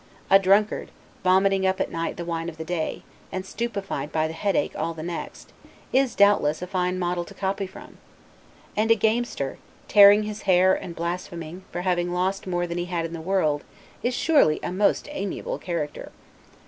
A drunkard, vomiting up at night the wine of the day, and stupefied by the headache all the next, is, doubtless, a fine model to copy from. And a gamester, tearing his hair, and blaspheming, for having lost more than he had in the world, is surely a most amiable character.